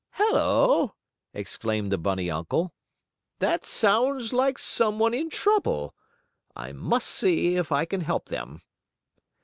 "Hello!" exclaimed the bunny uncle, "that sounds like some one in trouble. I must see if I can help them."